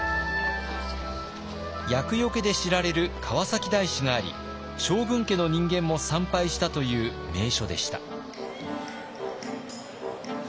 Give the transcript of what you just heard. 厄よけで知られる川崎大師があり将軍家の人間も参拝したという名所でした。